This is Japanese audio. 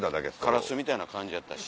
カラスみたいな感じやったし。